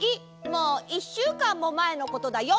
もういっしゅうかんもまえのことだよ！